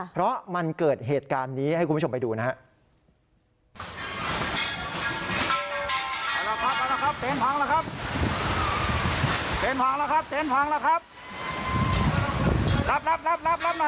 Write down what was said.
เพราะมันเกิดเหตุการณ์นี้ให้คุณผู้ชมไปดูนะครับ